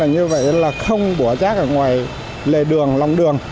như vậy là không bỏ rác ở ngoài lề đường lòng đường